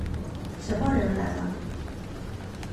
什么人来了？